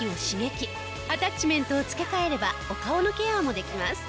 アタッチメントを付け替えればお顔のケアもできます。